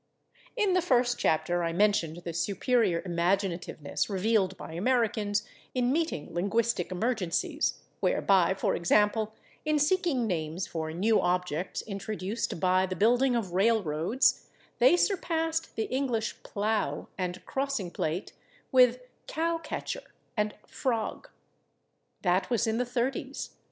In the first chapter I mentioned the superior imaginativeness revealed by Americans in meeting linguistic emergencies, whereby, for example, in seeking names for new objects introduced by the building of railroads, they surpassed the English /plough/ and /crossing plate/ with /cow catcher/ and /frog/. That was in the 30's.